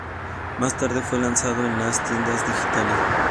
Más tarde fue lanzado en las tiendas digitales.